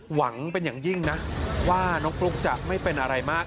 หวังเป็นอย่างยิ่งนะว่าน้องฟลุ๊กจะไม่เป็นอะไรมาก